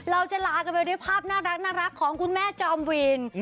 เราจะลากันไปด้วยภาพน่ารักของคุณแม่จอมวีน